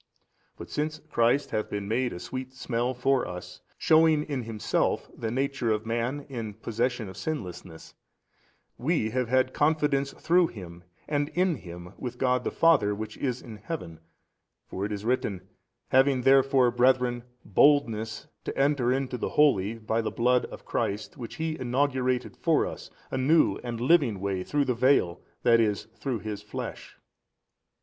But since Christ hath been made a sweet smell for us shewing in Himself the nature of man in possession of sinlessness, we have had confidence through Him and in Him with God the Father Which is in Heaven: for it is written, Having therefore, brethren, boldness to enter into the holy in the blood of Christ, which He inaugurated for us, a new and living way through the veil, that is, through His flesh.